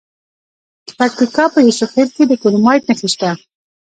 د پکتیکا په یوسف خیل کې د کرومایټ نښې شته.